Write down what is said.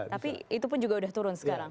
tapi itu pun juga sudah turun sekarang